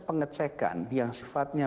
pengecekan yang sifatnya